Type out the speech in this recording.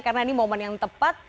karena ini momen yang tepat